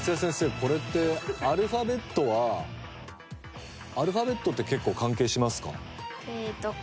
これってアルファベットはアルファベットって結構関係しますか？